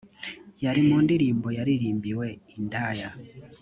yari mu ndirimbo yaririmbiwe indaya